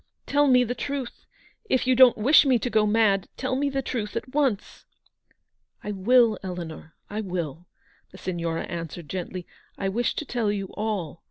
Tell me the truth. If you don't wish me to go mad, tell me the truth at once." u I will, Eleanor, I will," the Signora answered gently. " I wish to tell you all.